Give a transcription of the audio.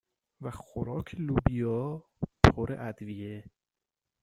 و خوراک لوبیا پر ادویه